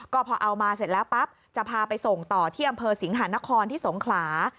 ก็พอเอามาเสร็จแล้วปั๊บจะพาไปส่งต่อที่อำเภอสิงหานครที่สงขลา